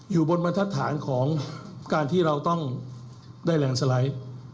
อยู่บนบรรทัศน์ของการที่เราต้องได้แรงสไลด์